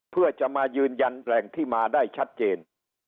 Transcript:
เพื่อจะมายืนยันแหล่งที่มาได้ชัดเจน